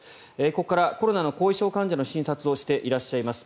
ここからコロナの後遺症の患者の診察をしていらっしゃいます